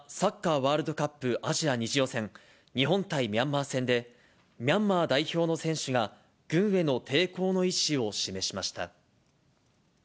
ワールドカップアジア２次予選、日本対ミャンマー戦で、ミャンマー代表の選手が、軍への抵抗の意思を示しました。